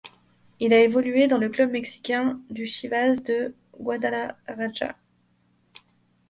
Il a évolué dans le club mexicain du Chivas de Guadalajara.